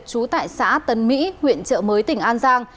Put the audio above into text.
trú tại xã tân mỹ huyện trợ mới tỉnh an giang